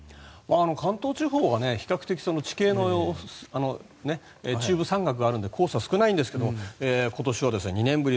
関東地方は比較的中部に山岳もあるので黄砂が少ないんですが今年は２年ぶり